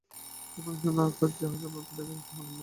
এই পরিদৃশ্যমান আকাশ, যাহা সাধারণত দেখা যায়, তাহার নাম মহাকাশ।